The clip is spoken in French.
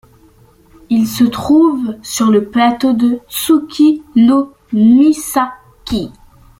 Il se trouve sur le plateau de Tsuki no Misaki.